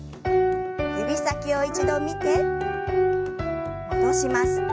指先を一度見て戻します。